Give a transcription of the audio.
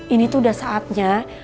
ini tuh udah saatnya